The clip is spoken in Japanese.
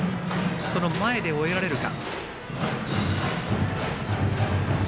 その前で終えられるか。